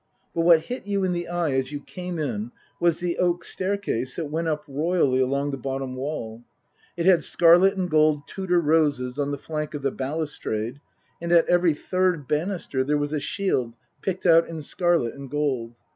But what hit you in the eye as you came in was the oak staircase that went up royally along the bottom wall. It had scarlet and gold Tudor roses on the flank of the balustrade, and at every third banister there was a shield picked out in scarlet and gold.